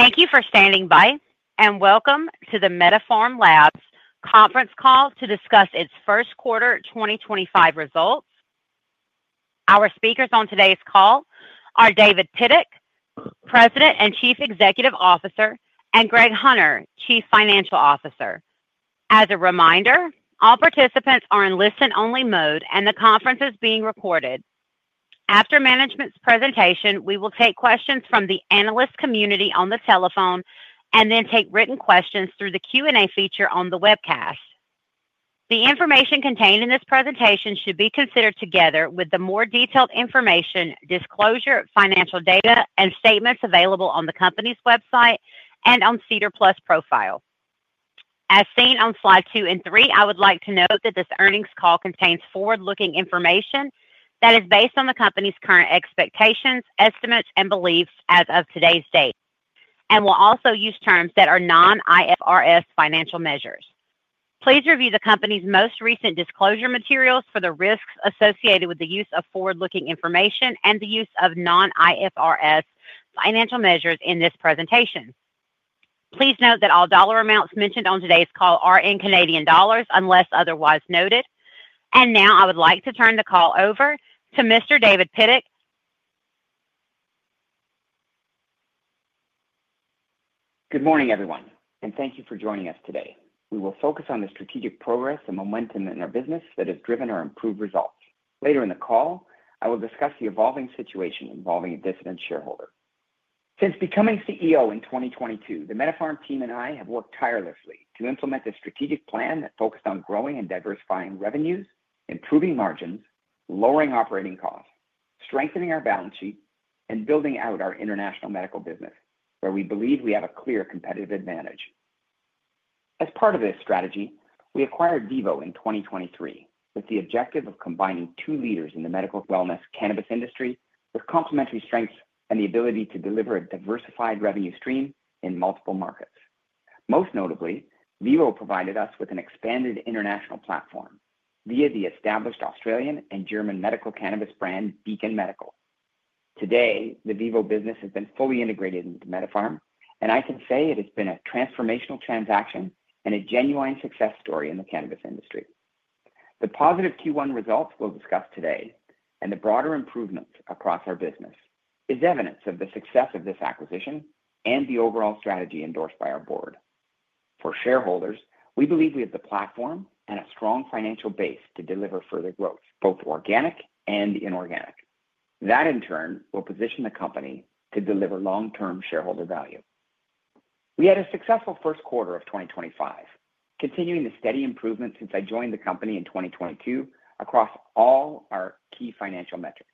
Thank you for standing by, and welcome to the MediPharm Labs conference call to discuss its first quarter 2025 results. Our speakers on today's call are David Pidduck, President and Chief Executive Officer, and Greg Hunter, Chief Financial Officer. As a reminder, all participants are in listen-only mode, and the conference is being recorded. After management's presentation, we will take questions from the analyst community on the telephone and then take written questions through the Q&A feature on the webcast. The information contained in this presentation should be considered together with the more detailed information, disclosure, financial data, and statements available on the company's website and on SEDAR+ Profile. As seen on slide two and three, I would like to note that this earnings call contains forward-looking information that is based on the company's current expectations, estimates, and beliefs as of today's date, and will also use terms that are non-IFRS financial measures. Please review the company's most recent disclosure materials for the risks associated with the use of forward-looking information and the use of non-IFRS financial measures in this presentation. Please note that all dollar amounts mentioned on today's call are in CAD unless otherwise noted. I would like to turn the call over to Mr. David Pidduck. Good morning, everyone, and thank you for joining us today. We will focus on the strategic progress and momentum in our business that has driven our improved results. Later in the call, I will discuss the evolving situation involving a dissident shareholder. Since becoming CEO in 2022, the MediPharm team and I have worked tirelessly to implement this strategic plan that focused on growing and diversifying revenues, improving margins, lowering operating costs, strengthening our balance sheet, and building out our international medical business, where we believe we have a clear competitive advantage. As part of this strategy, we acquired VIVO in 2023 with the objective of combining two leaders in the medical wellness cannabis industry with complementary strengths and the ability to deliver a diversified revenue stream in multiple markets. Most notably, VIVO provided us with an expanded international platform via the established Australian and German medical cannabis brand Beacon Medical. Today, the VIVO business has been fully integrated into MediPharm, and I can say it has been a transformational transaction and a genuine success story in the cannabis industry. The positive Q1 results we'll discuss today and the broader improvements across our business are evidence of the success of this acquisition and the overall strategy endorsed by our board. For shareholders, we believe we have the platform and a strong financial base to deliver further growth, both organic and inorganic. That, in turn, will position the company to deliver long-term shareholder value. We had a successful first quarter of 2025, continuing the steady improvement since I joined the company in 2022 across all our key financial metrics.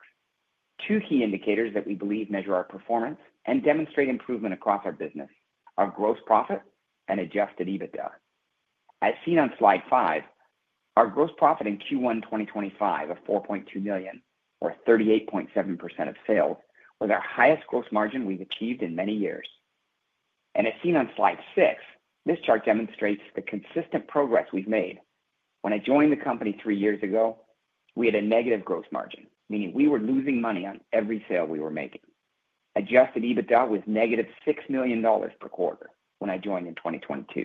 Two key indicators that we believe measure our performance and demonstrate improvement across our business are gross profit and adjusted EBITDA. As seen on slide five, our gross profit in Q1 2025 of 4.2 million, or 38.7% of sales, was our highest gross margin we've achieved in many years. As seen on slide six, this chart demonstrates the consistent progress we've made. When I joined the company three years ago, we had a negative gross margin, meaning we were losing money on every sale we were making. Adjusted EBITDA was -6 million dollars per quarter when I joined in 2022.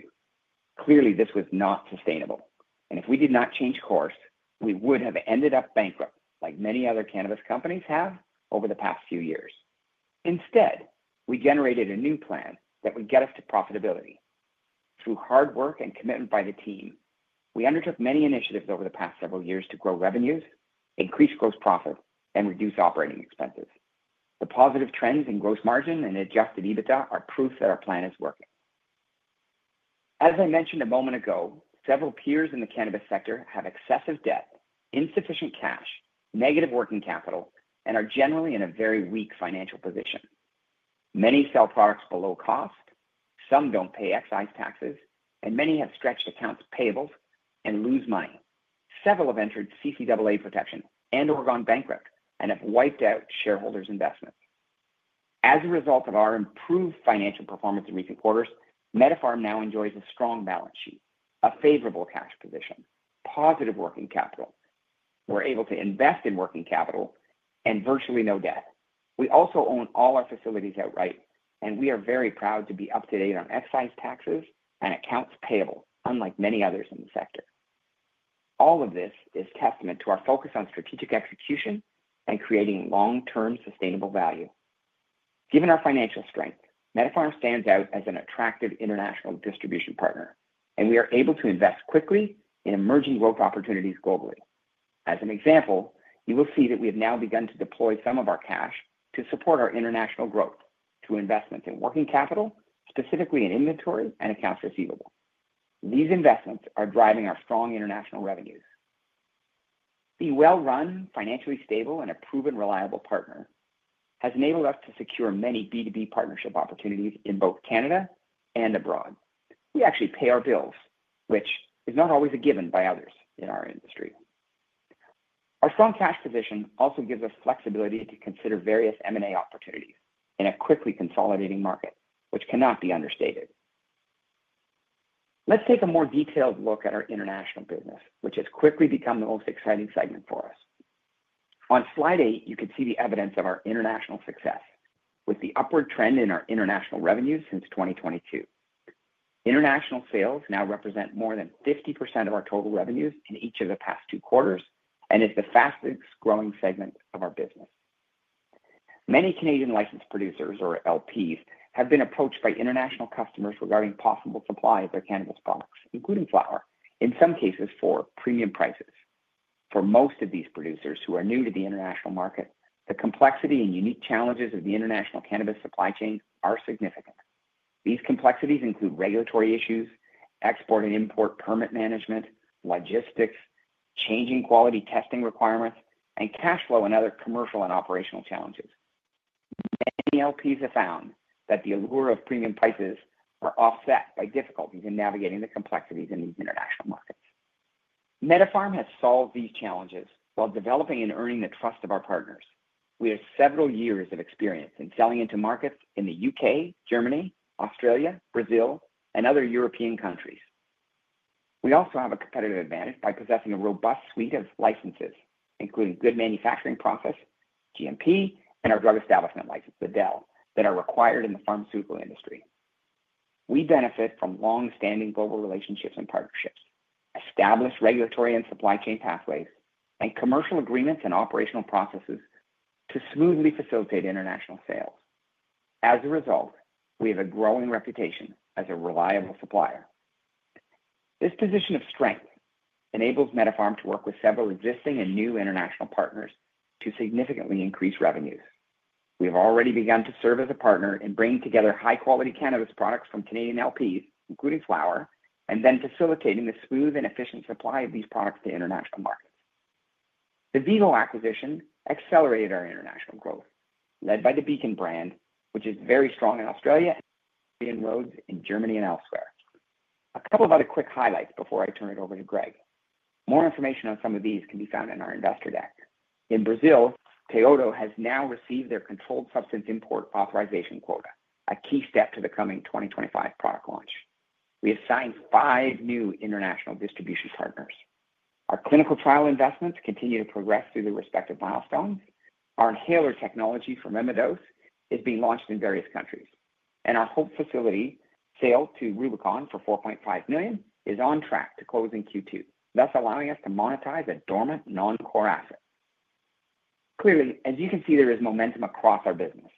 Clearly, this was not sustainable, and if we did not change course, we would have ended up bankrupt, like many other cannabis companies have over the past few years. Instead, we generated a new plan that would get us to profitability. Through hard work and commitment by the team, we undertook many initiatives over the past several years to grow revenues, increase gross profits, and reduce operating expenses. The positive trends in gross margin and adjusted EBITDA are proof that our plan is working. As I mentioned a moment ago, several peers in the cannabis sector have excessive debt, insufficient cash, negative working capital, and are generally in a very weak financial position. Many sell products below cost, some do not pay excise taxes, and many have stretched accounts payables and lose money. Several have entered CCAA protection and/or gone bankrupt and have wiped out shareholders' investments. As a result of our improved financial performance in recent quarters, MediPharm now enjoys a strong balance sheet, a favorable cash position, and positive working capital. We are able to invest in working capital and virtually no debt. We also own all our facilities outright, and we are very proud to be up to date on excise taxes and accounts payable, unlike many others in the sector. All of this is testament to our focus on strategic execution and creating long-term sustainable value. Given our financial strength, MediPharm stands out as an attractive international distribution partner, and we are able to invest quickly in emerging growth opportunities globally. As an example, you will see that we have now begun to deploy some of our cash to support our international growth through investments in working capital, specifically in inventory and accounts receivable. These investments are driving our strong international revenues. Being well run, financially stable, and a proven reliable partner has enabled us to secure many B2B partnership opportunities in both Canada and abroad. We actually pay our bills, which is not always a given by others in our industry. Our strong cash position also gives us flexibility to consider various M&A opportunities in a quickly consolidating market, which cannot be understated. Let's take a more detailed look at our international business, which has quickly become the most exciting segment for us. On slide eight, you can see the evidence of our international success with the upward trend in our international revenues since 2022. International sales now represent more than 50% of our total revenues in each of the past two quarters and is the fastest growing segment of our business. Many Canadian licensed producers, or LPs, have been approached by international customers regarding possible supply of their cannabis products, including flower, in some cases for premium prices. For most of these producers who are new to the international market, the complexity and unique challenges of the international cannabis supply chain are significant. These complexities include regulatory issues, export and import permit management, logistics, changing quality testing requirements, and cash flow and other commercial and operational challenges. Many LPs have found that the allure of premium prices is offset by difficulties in navigating the complexities in these international markets. MediPharm has solved these challenges while developing and earning the trust of our partners. We have several years of experience in selling into markets in the U.K., Germany, Australia, Brazil, and other European countries. We also have a competitive advantage by possessing a robust suite of licenses, including good manufacturing practice, GMP, and our drug establishment license, the DEL, that are required in the pharmaceutical industry. We benefit from long-standing global relationships and partnerships, established regulatory and supply chain pathways, and commercial agreements and operational processes to smoothly facilitate international sales. As a result, we have a growing reputation as a reliable supplier. This position of strength enables MediPharm to work with several existing and new international partners to significantly increase revenues. We have already begun to serve as a partner in bringing together high-quality cannabis products from Canadian LPs, including flower, and then facilitating the smooth and efficient supply of these products to international markets. The VIVO acquisition accelerated our international growth, led by the Beacon brand, which is very strong in Australia and robust in Germany and elsewhere. A couple of other quick highlights before I turn it over to Greg. More information on some of these can be found in our investor deck. In Brazil, Teuto has now received their controlled substance import authorization quota, a key step to the coming 2025 product launch. We have signed five new international distribution partners. Our clinical trial investments continue to progress through the respective milestones. Our inhaler technology from Remidose is being launched in various countries, and our Hope facility sale to Rubicon for 4.5 million is on track to close in Q2, thus allowing us to monetize a dormant non-core asset. Clearly, as you can see, there is momentum across our business.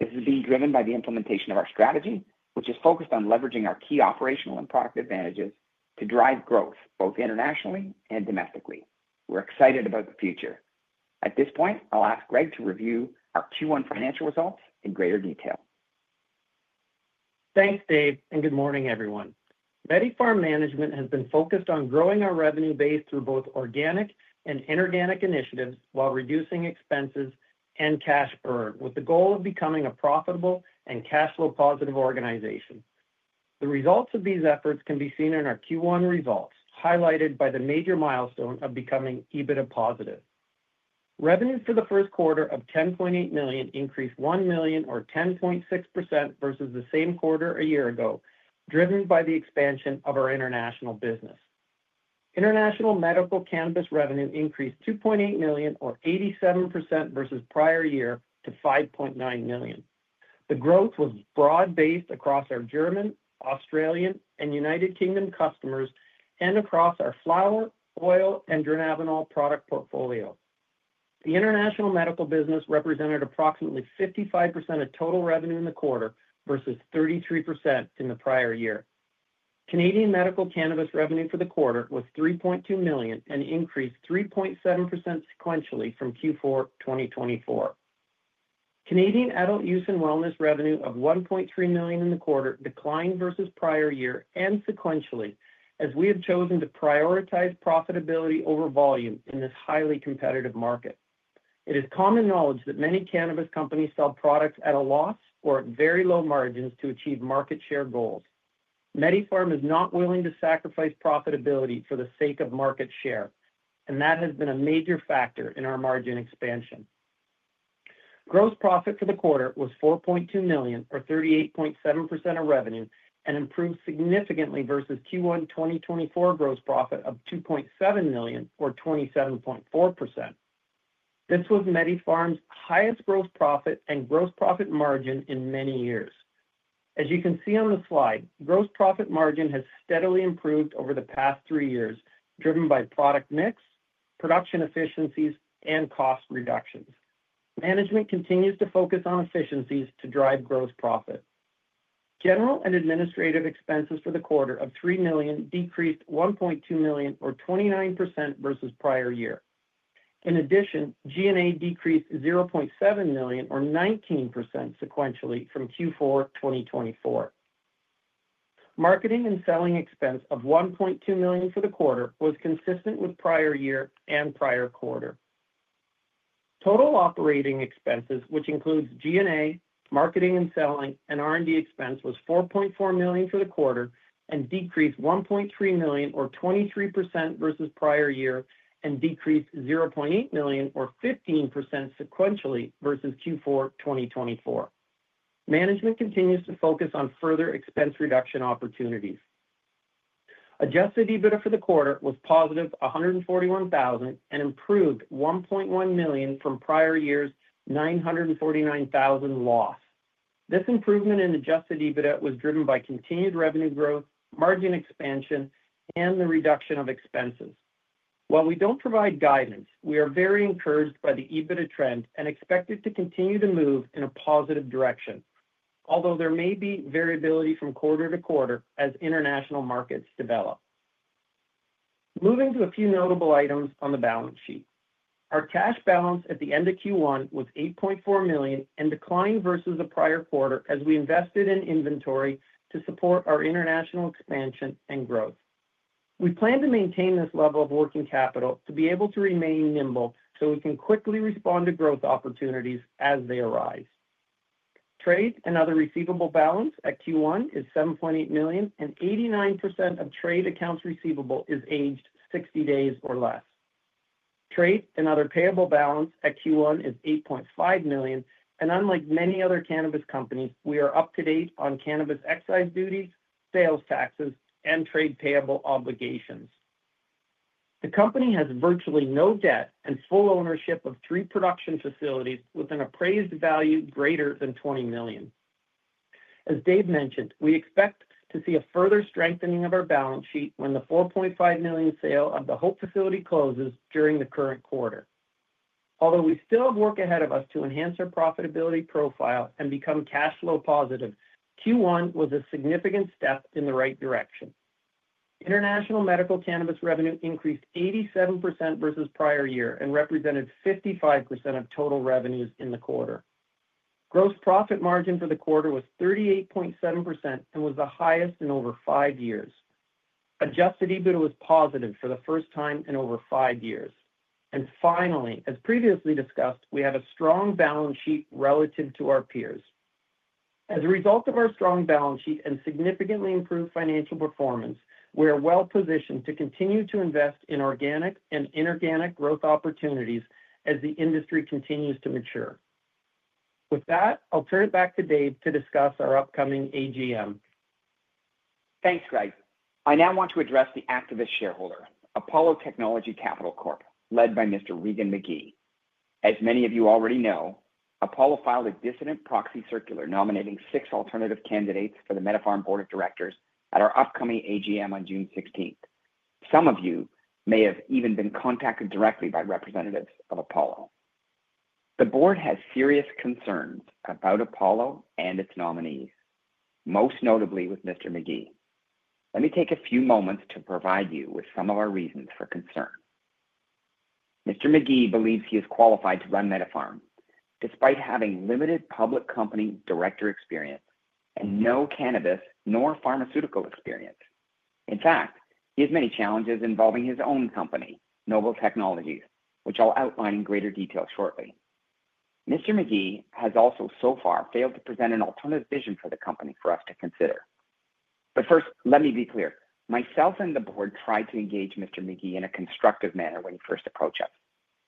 This is being driven by the implementation of our strategy, which is focused on leveraging our key operational and product advantages to drive growth both internationally and domestically. We're excited about the future. At this point, I'll ask Greg to review our Q1 financial results in greater detail. Thanks, Dave, and good morning, everyone. MediPharm Management has been focused on growing our revenue base through both organic and inorganic initiatives while reducing expenses and cash burden with the goal of becoming a profitable and cash flow positive organization. The results of these efforts can be seen in our Q1 results, highlighted by the major milestone of becoming EBITDA positive. Revenue for the first quarter of 10.8 million increased 1 million, or 10.6%, vs the same quarter a year ago, driven by the expansion of our international business. International medical cannabis revenue increased 2.8 million, or 87%, vs prior year to 5.9 million. The growth was broad-based across our German, Australian, and U.K. customers and across our flower, oil, and dronabinol product portfolio. The international medical business represented approximately 55% of total revenue in the quarter vs 33% in the prior year. Canadian medical cannabis revenue for the quarter was 3.2 million and increased 3.7% sequentially from Q4 2024. Canadian adult use and wellness revenue of 1.3 million in the quarter declined versus prior year and sequentially as we have chosen to prioritize profitability over volume in this highly competitive market. It is common knowledge that many cannabis companies sell products at a loss or at very low margins to achieve market share goals. MediPharm is not willing to sacrifice profitability for the sake of market share, and that has been a major factor in our margin expansion. Gross profit for the quarter was 4.2 million, or 38.7% of revenue, and improved significantly vs Q1 2024 gross profit of 2.7 million, or 27.4%. This was MediPharm's highest gross profit and gross profit margin in many years. As you can see on the slide, gross profit margin has steadily improved over the past three years, driven by product mix, production efficiencies, and cost reductions. Management continues to focus on efficiencies to drive gross profit. General and administrative expenses for the quarter of 3 million decreased 1.2 million, or 29%, vs prior year. In addition, G&A decreased 0.7 million, or 19%, sequentially from Q4 2024. Marketing and selling expense of 1.2 million for the quarter was consistent with prior year and prior quarter. Total operating expenses, which includes G&A, marketing and selling, and R&D expense, was 4.4 million for the quarter and decreased 1.3 million, or 23%, vs prior year, and decreased 0.8 million, or 15%, sequentially vs Q4 2024. Management continues to focus on further expense reduction opportunities. Adjusted EBITDA for the quarter was positive 141,000 and improved 1.1 million from prior year's 949,000 loss. This improvement in adjusted EBITDA was driven by continued revenue growth, margin expansion, and the reduction of expenses. While we do not provide guidance, we are very encouraged by the EBITDA trend and expect it to continue to move in a positive direction, although there may be variability from quarter to quarter as international markets develop. Moving to a few notable items on the balance sheet. Our cash balance at the end of Q1 was 8.4 million and declined versus the prior quarter as we invested in inventory to support our international expansion and growth. We plan to maintain this level of working capital to be able to remain nimble so we can quickly respond to growth opportunities as they arise. Trade and other receivable balance at Q1 is 7.8 million, and 89% of trade accounts receivable is aged 60 days or less. Trade and other payable balance at Q1 is 8.5 million, and unlike many other cannabis companies, we are up to date on cannabis excise duties, sales taxes, and trade payable obligations. The company has virtually no debt and full ownership of three production facilities with an appraised value greater than 20 million. As Dave mentioned, we expect to see a further strengthening of our balance sheet when the 4.5 million sale of the Hope facility closes during the current quarter. Although we still have work ahead of us to enhance our profitability profile and become cash flow positive, Q1 was a significant step in the right direction. International medical cannabis revenue increased 87% vs prior year and represented 55% of total revenues in the quarter. Gross profit margin for the quarter was 38.7% and was the highest in over five years. Adjusted EBITDA was positive for the first time in over five years. Finally, as previously discussed, we have a strong balance sheet relative to our peers. As a result of our strong balance sheet and significantly improved financial performance, we are well positioned to continue to invest in organic and inorganic growth opportunities as the industry continues to mature. With that, I'll turn it back to Dave to discuss our upcoming AGM. Thanks, Greg. I now want to address the activist shareholder, Apollo Technology Capital Corp, led by Mr. Regan McGee. As many of you already know, Apollo filed a dissident proxy circular nominating six alternative candidates for the MediPharm Board of Directors at our upcoming AGM on June 16th. Some of you may have even been contacted directly by representatives of Apollo. The board has serious concerns about Apollo and its nominees, most notably with Mr. McGee. Let me take a few moments to provide you with some of our reasons for concern. Mr. McGee believes he is qualified to run MediPharm despite having limited public company director experience and no cannabis nor pharmaceutical experience. In fact, he has many challenges involving his own company, Nobul Technologies, which I'll outline in greater detail shortly. Mr. McGee has also so far failed to present an alternative vision for the company for us to consider. First, let me be clear. Myself and the board tried to engage Mr. McGee in a constructive manner when he first approached us.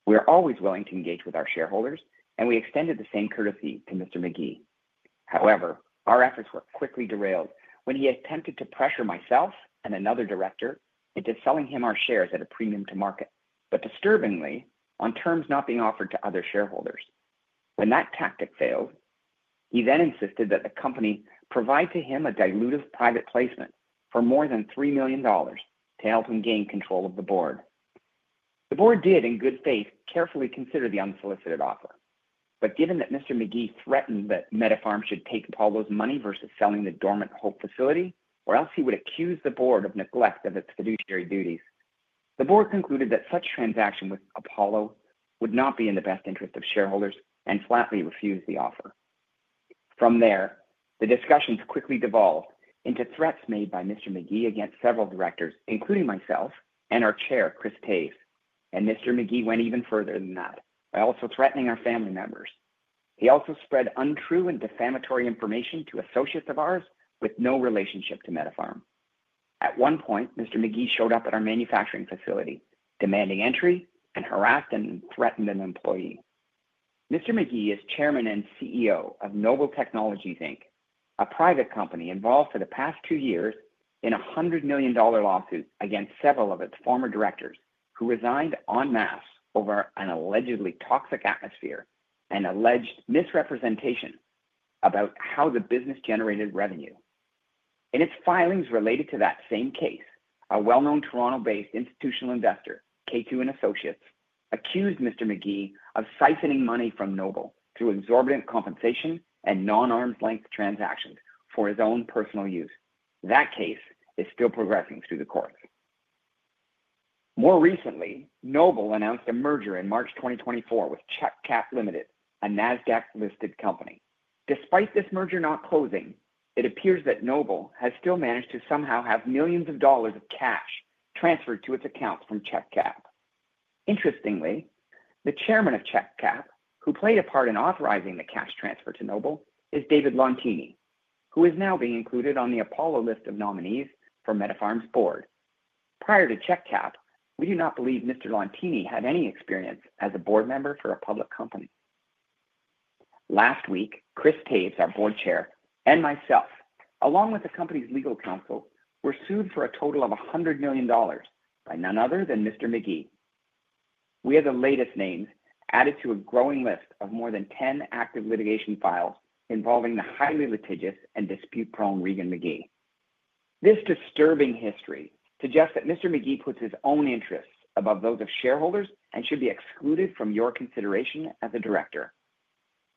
We are always willing to engage with our shareholders, and we extended the same courtesy to Mr. McGee. However, our efforts were quickly derailed when he attempted to pressure myself and another director into selling him our shares at a premium to market, but disturbingly, on terms not being offered to other shareholders. When that tactic failed, he then insisted that the company provide to him a dilutive private placement for more than 3 million dollars to help him gain control of the board. The board did, in good faith, carefully consider the unsolicited offer. Given that Mr. McGee threatened that MediPharm should take Apollo's money vs selling the dormant Hope facility, or else he would accuse the board of neglect of its fiduciary duties. The board concluded that such transaction with Apollo would not be in the best interest of shareholders and flatly refused the offer. From there, the discussions quickly devolved into threats made by Mr. McGee against several directors, including myself and our Chair, Chris Taves. Mr. McGee went even further than that, by also threatening our family members. He also spread untrue and defamatory information to associates of ours with no relationship to MediPharm. At one point, Mr. McGee showed up at our manufacturing facility, demanding entry, and harassed and threatened an employee. Mr. McGee is Chairman and CEO of Nobul Technologies, a private company involved for the past two years in a $100 million lawsuit against several of its former directors who resigned en masse over an allegedly toxic atmosphere and alleged misrepresentation about how the business generated revenue. In its filings related to that same case, a well-known Toronto-based institutional investor, K2 & Associates, accused Mr. McGee of siphoning money from Nobul through exorbitant compensation and non-arms-length transactions for his own personal use. That case is still progressing through the courts. More recently, Nobul announced a merger in March 2024 with Check-Cap Limited, a NASDAQ-listed company. Despite this merger not closing, it appears that Nobul has still managed to somehow have millions of dollars of cash transferred to its accounts from Check-Cap. Interestingly, the Chairman of Check-Cap, who played a part in authorizing the cash transfer to Nobul, is David Lontini, who is now being included on the Apollo list of nominees for MediPharm's Board. Prior to Check-Cap, we do not believe Mr. Lontini had any experience as a Board member for a public company. Last week, Chris Taves, our Board Chair, and myself, along with the company's legal counsel, were sued for a total of $100 million by none other than Mr. McGee. We are the latest names added to a growing list of more than 10 active litigation files involving the highly litigious and dispute-prone Regan McGee. This disturbing history suggests that Mr. McGee puts his own interests above those of shareholders and should be excluded from your consideration as a director.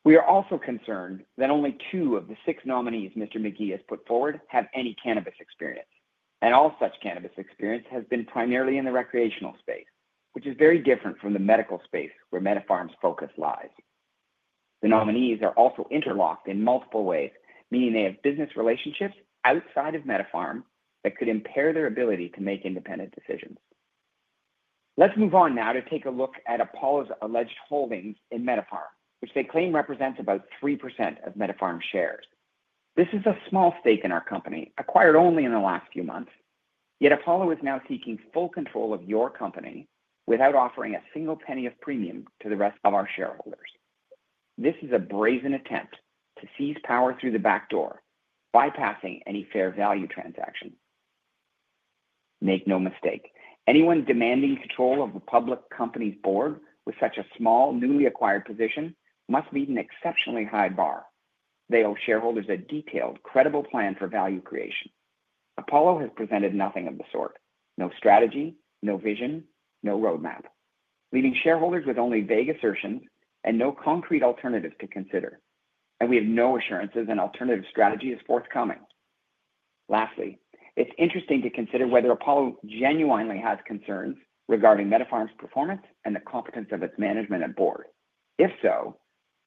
We are also concerned that only two of the six nominees Mr. McGee has put forward have any cannabis experience, and all such cannabis experience has been primarily in the recreational space, which is very different from the medical space where MediPharm's focus lies. The nominees are also interlocked in multiple ways, meaning they have business relationships outside of MediPharm that could impair their ability to make independent decisions. Let's move on now to take a look at Apollo's alleged holdings in MediPharm, which they claim represents about 3% of MediPharm's shares. This is a small stake in our company, acquired only in the last few months. Yet Apollo is now seeking full control of your company without offering a single penny of premium to the rest of our shareholders. This is a brazen attempt to seize power through the back door, bypassing any fair value transaction. Make no mistake, anyone demanding control of a public company's Board with such a small, newly acquired position must meet an exceptionally high bar. They owe shareholders a detailed, credible plan for value creation. Apollo has presented nothing of the sort. No strategy, no vision, no roadmap, leaving shareholders with only vague assertions and no concrete alternatives to consider. We have no assurances an alternative strategy is forthcoming. Lastly, it's interesting to consider whether Apollo genuinely has concerns regarding MediPharm's performance and the competence of its management and board. If so,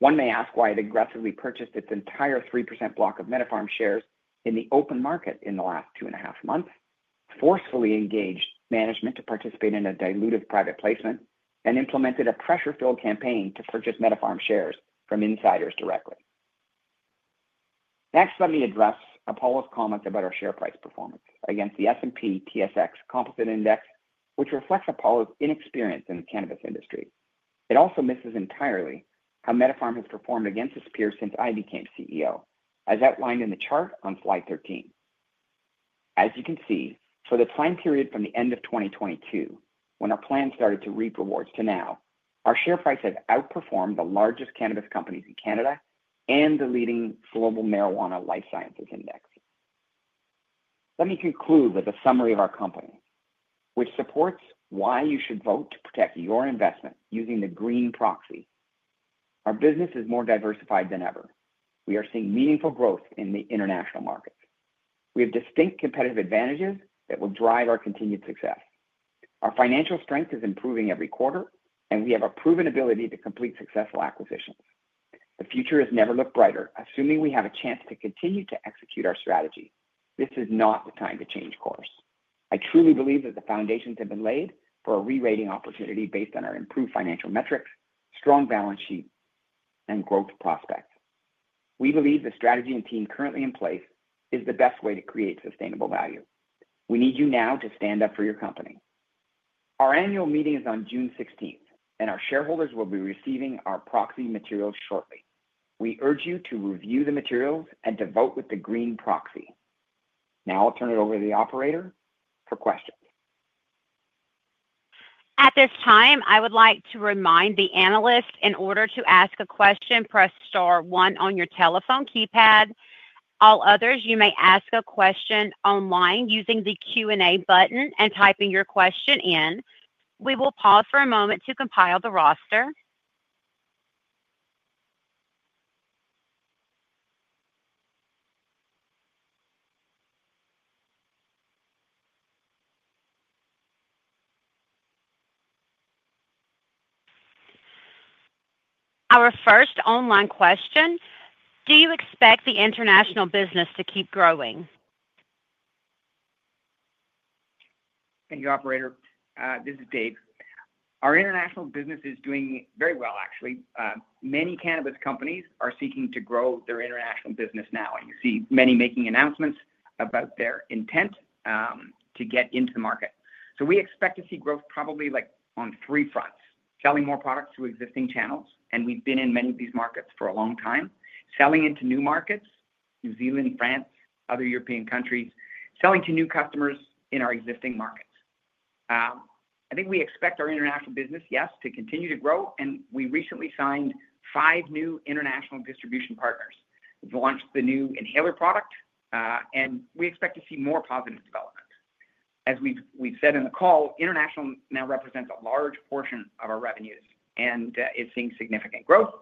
one may ask why it aggressively purchased its entire 3% block of MediPharm shares in the open market in the last 2.5 months, forcefully engaged management to participate in a dilutive private placement, and implemented a pressure-filled campaign to purchase MediPharm shares from insiders directly. Next, let me address Apollo's comments about our share price performance against the S&P/TSX Composite Index, which reflects Apollo's inexperience in the cannabis industry. It also misses entirely how MediPharm has performed against its peers since I became CEO, as outlined in the chart on slide 13. As you can see, for the time period from the end of 2022, when our plan started to reap rewards to now, our share price has outperformed the largest cannabis companies in Canada and the leading Global Marijuana Life Sciences Index. Let me conclude with a summary of our company, which supports why you should vote to protect your investment using the green proxy. Our business is more diversified than ever. We are seeing meaningful growth in the international markets. We have distinct competitive advantages that will drive our continued success. Our financial strength is improving every quarter, and we have a proven ability to complete successful acquisitions. The future has never looked brighter, assuming we have a chance to continue to execute our strategy. This is not the time to change course. I truly believe that the foundations have been laid for a re-rating opportunity based on our improved financial metrics, strong balance sheet, and growth prospects. We believe the strategy and team currently in place is the best way to create sustainable value. We need you now to stand up for your company. Our annual meeting is on June 16th, and our shareholders will be receiving our proxy materials shortly. We urge you to review the materials and to vote with the green proxy. Now I'll turn it over to the operator for questions. At this time, I would like to remind the analysts, in order to ask a question, press star one on your telephone keypad. All others, you may ask a question online using the Q&A button and typing your question in. We will pause for a moment to compile the roster. Our first online question: Do you expect the international business to keep growing? Thank you, operator. This is Dave. Our international business is doing very well, actually. Many cannabis companies are seeking to grow their international business now. You see many making announcements about their intent to get into the market. We expect to see growth probably on three fronts: selling more products to existing channels, and we've been in many of these markets for a long time; selling into new markets: New Zealand, France, other European countries; selling to new customers in our existing markets. I think we expect our international business, yes, to continue to grow. We recently signed five new international distribution partners. We've launched the new inhaler product, and we expect to see more positive developments. As we've said in the call, international now represents a large portion of our revenues, and it's seeing significant growth.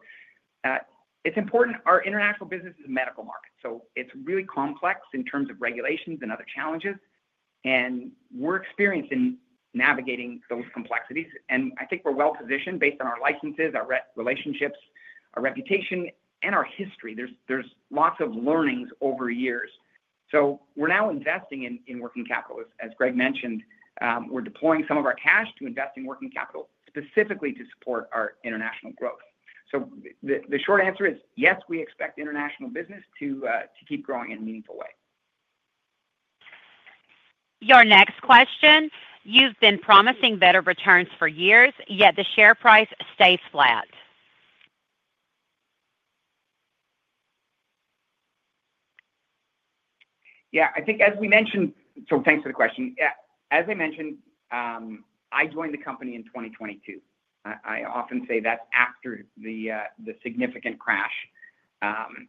It's important; our international business is a medical market. It is really complex in terms of regulations and other challenges. We are experienced in navigating those complexities. I think we are well positioned based on our licenses, our relationships, our reputation, and our history. There are lots of learnings over years. We are now investing in working capital. As Greg mentioned, we are deploying some of our cash to invest in working capital, specifically to support our international growth. The short answer is, yes, we expect international business to keep growing in a meaningful way. Your next question: You've been promising better returns for years, yet the share price stays flat. Yeah, I think, as we mentioned—so thanks for the question. As I mentioned, I joined the company in 2022. I often say that's after the significant crash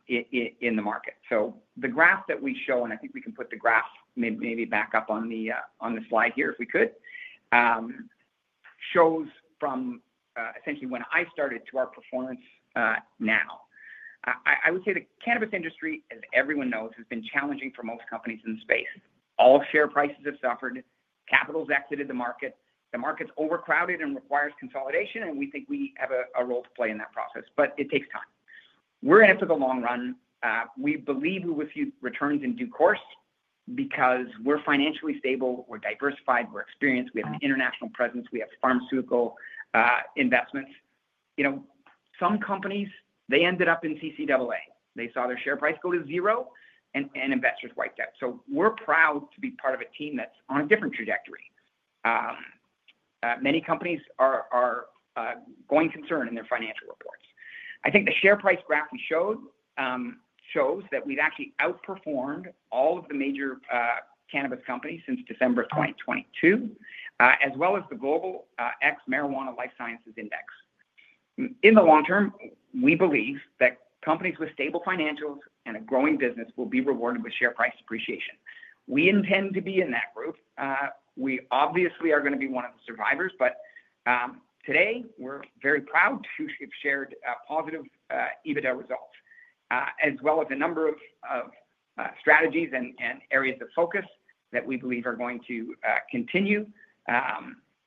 in the market. The graph that we show—and I think we can put the graph maybe back up on the slide here if we could—shows from essentially when I started to our performance now. I would say the cannabis industry, as everyone knows, has been challenging for most companies in the space. All share prices have suffered. Capital's exited the market. The market's overcrowded and requires consolidation, and we think we have a role to play in that process. It takes time. We're in it for the long run. We believe we will see returns in due course because we're financially stable. We're diversified. We're experienced. We have an international presence. We have pharmaceutical investments. Some companies, they ended up in CCAA. They saw their share price go to zero, and investors wiped out. We are proud to be part of a team that is on a different trajectory. Many companies are going concerned in their financial reports. I think the share price graph we showed shows that we have actually outperformed all of the major cannabis companies since December 2022, as well as the Global X Marijuana Life Sciences Index. In the long term, we believe that companies with stable financials and a growing business will be rewarded with share price appreciation. We intend to be in that group. We obviously are going to be one of the survivors, but today we are very proud to have shared positive EBITDA results, as well as a number of strategies and areas of focus that we believe are going to continue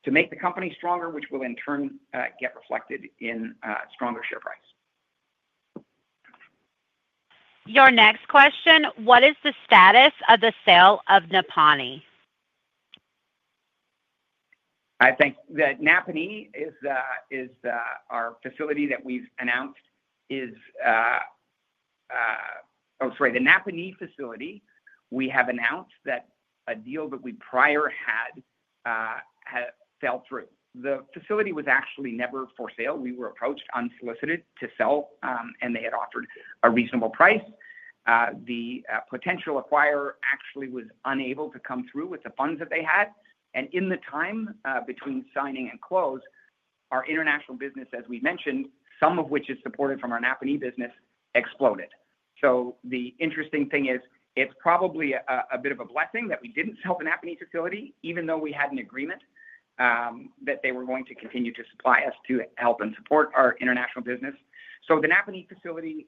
to make the company stronger, which will in turn get reflected in stronger share price. Your next question: What is the status of the sale of Napanee? I think the Napanee is our facility that we've announced—oh, sorry—the Napanee facility we have announced that a deal that we prior had fell through. The facility was actually never for sale. We were approached unsolicited to sell, and they had offered a reasonable price. The potential acquirer actually was unable to come through with the funds that they had. In the time between signing and close, our international business, as we mentioned, some of which is supported from our Napanee business, exploded. The interesting thing is it's probably a bit of a blessing that we didn't sell the Napanee facility, even though we had an agreement that they were going to continue to supply us to help and support our international business. The Napanee facility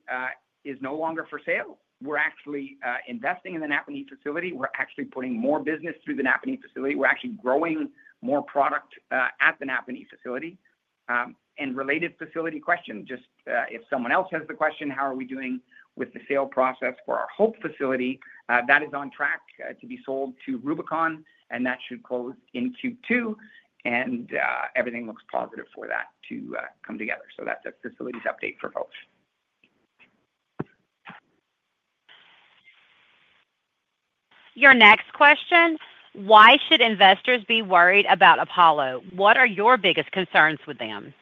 is no longer for sale. We're actually investing in the Napanee facility. We're actually putting more business through the Napanee facility. We're actually growing more product at the Napanee facility. Related facility question, just if someone else has the question, how are we doing with the sale process for our Hope facility? That is on track to be sold to Rubicon, and that should close in Q2. Everything looks positive for that to come together. That is a facilities update for folks. Your next question: Why should investors be worried about Apollo? What are your biggest concerns with them?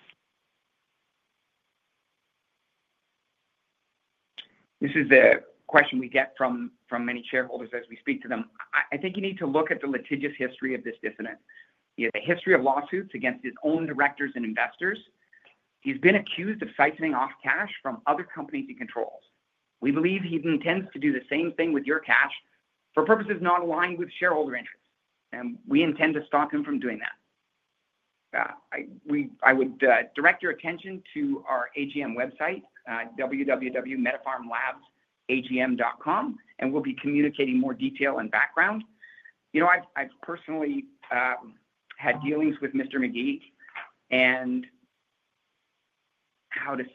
This is the question we get from many shareholders as we speak to them. I think you need to look at the litigious history of this dissident. He has a history of lawsuits against his own directors and investors. He has been accused of siphoning off cash from other companies he controls. We believe he intends to do the same thing with your cash for purposes not aligned with shareholder interests. We intend to stop him from doing that. I would direct your attention to our AGM website, www.medipharmlabsagm.com, and we will be communicating more detail and background. I have personally had dealings with Mr. McGee, and it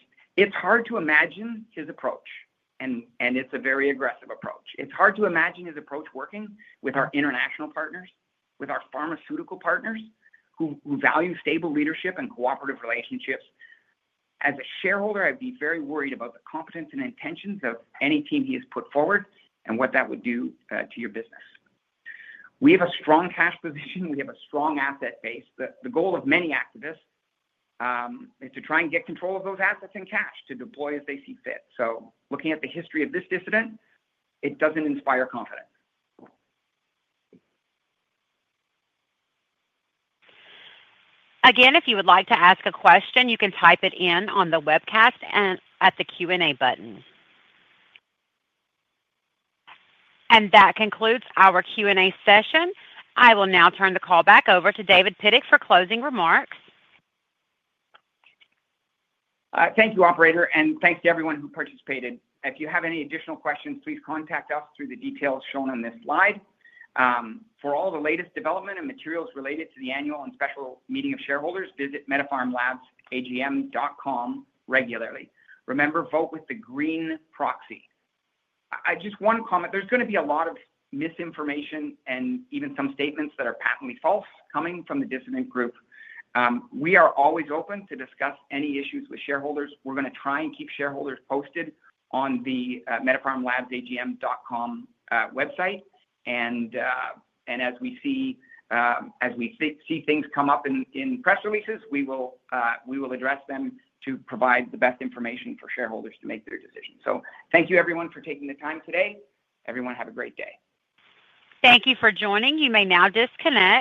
is hard to imagine his approach, and it is a very aggressive approach. It is hard to imagine his approach working with our international partners, with our pharmaceutical partners who value stable leadership and cooperative relationships. As a shareholder, I'd be very worried about the competence and intentions of any team he has put forward and what that would do to your business. We have a strong cash position. We have a strong asset base. The goal of many activists is to try and get control of those assets and cash to deploy as they see fit. Looking at the history of this dissident, it doesn't inspire confidence. Again, if you would like to ask a question, you can type it in on the webcast at the Q&A button. That concludes our Q&A session. I will now turn the call back over to David Pidduck for closing remarks. Thank you, Operator, and thanks to everyone who participated. If you have any additional questions, please contact us through the details shown on this slide. For all the latest development and materials related to the annual and special meeting of shareholders, visit medipharmlabsagm.com regularly. Remember, vote with the green proxy. Just one comment: there's going to be a lot of misinformation and even some statements that are patently false coming from the dissident group. We are always open to discuss any issues with shareholders. We're going to try and keep shareholders posted on the medipharmlabsagm.com website. As we see things come up in press releases, we will address them to provide the best information for shareholders to make their decisions. Thank you, everyone, for taking the time today. Everyone, have a great day. Thank you for joining. You may now disconnect.